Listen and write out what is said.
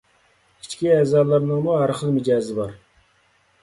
ئىچكى ئەزالارنىڭمۇ ھەر خىل مىجەزى بار.